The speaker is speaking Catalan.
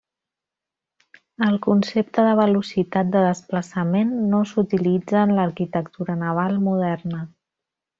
El concepte de velocitat de desplaçament no s'utilitza en l'arquitectura naval moderna.